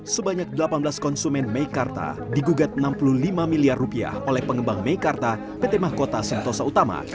sebanyak delapan belas konsumen meikarta digugat enam puluh lima miliar rupiah oleh pengembang meikarta pt mahkota sentosa utama